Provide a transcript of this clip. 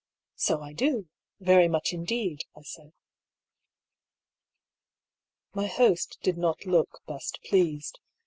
" So I do, very much indeed," I said. My host did not look best pleased.